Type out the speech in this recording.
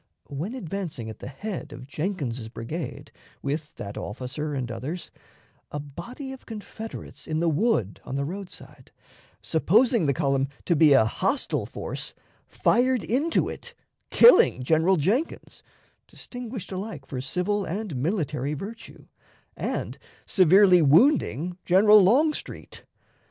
When advancing at the head of Jenkins's brigade, with that officer and others, a body of Confederates in the wood on the roadside, supposing the column to be a hostile force, fired into it, killing General Jenkins, distinguished alike for civil and military virtue, and severely wounding General Longstreet.